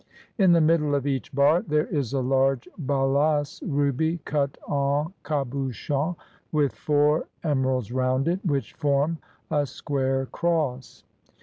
In the middle of each bar there is a large balass ruby, cut en cabuchon, with four emer alds round it, which form a square cross.